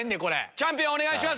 チャンピオンお願いします。